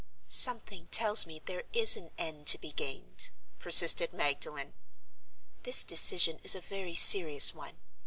"Something tells me there is an end to be gained," persisted Magdalen. "This decision is a very serious one.